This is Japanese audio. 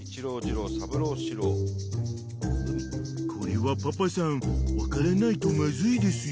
［これはパパさん分からないとまずいですよ］